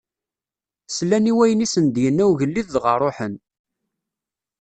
Slan i wayen i sen-d-inna ugellid dɣa ṛuḥen.